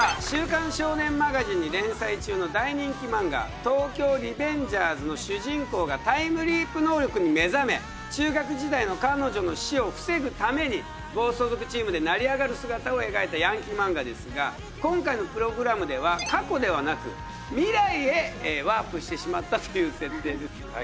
「週刊少年マガジン」に連載中の大人気漫画「東京リベンジャーズ」の主人公がタイムリープ能力に目覚め中学時代の彼女の死を防ぐために暴走族チームで成り上がる姿を描いたヤンキー漫画ですが今回のプログラムでは過去ではなく未来へワープしてしまったという設定です